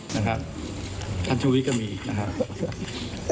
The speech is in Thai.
นะครับทัชวิกก็มีนะครับ